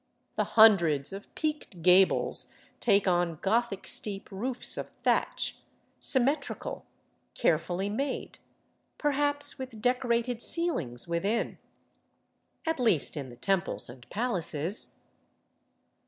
The hundreds of peaked gables take on gothic steep roofs of thatch, sym metrical, carefully made, perhaps with decorated ceilings within, at 475 VAGABONDING DOWN THE ANDES least in the temples and palaces.